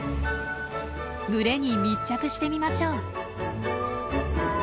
群れに密着してみましょう。